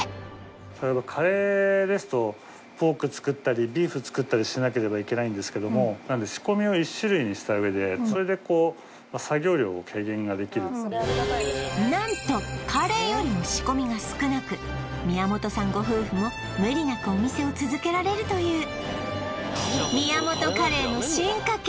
例えばカレーですとポーク作ったりビーフ作ったりしなければいけないんですけども仕込みを１種類にした上でそれで作業量を軽減ができる何とカレーよりも仕込みが少なく宮本さんご夫婦も無理なくお店を続けられるという宮本カレーの進化系